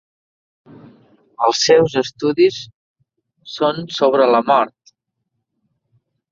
Els seus estudis són sobre la mort.